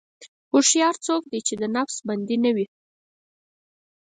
هوښیار څوک دی چې د نفس بندي نه وي.